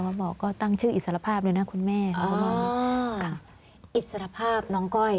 แล้วหมอก็ตั้งชื่ออิสรภาพเลยนะคุณแม่ค่ะอิสรภาพน้องก้อย